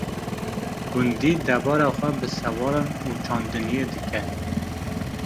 Gundî debara xwe bi sewalan û çandiniyê dike.